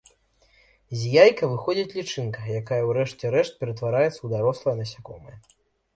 З яйка выходзіць лічынка, якая ў рэшце рэшт ператвараецца ў дарослае насякомае.